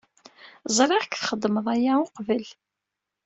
Ẓriɣ-k txeddmeḍ aya uqbel.